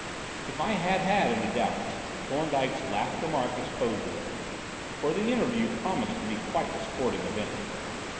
If I had had any doubts, Thorndyke's last remark disposed of them; for the interview promised to be quite a sporting event.